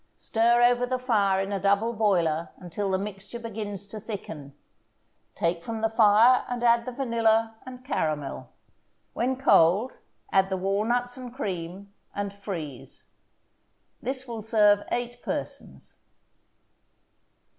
Stir over the fire in a double boiler until the mixture begins to thicken; take from the fire and add the vanilla and caramel. When cold, add the walnuts and cream, and freeze. This will serve eight persons.